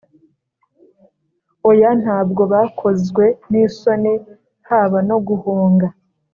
Oya ntabwo bakozwe n isoni haba no guhonga